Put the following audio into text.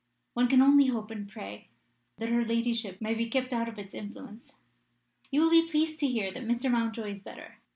One can only hope and pray that her ladyship may be kept out of its influence. You will be pleased to hear that Mr. Mountjoy is better.